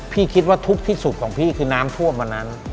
คิดว่าทุกข์ที่สุดของพี่คือน้ำท่วมวันนั้น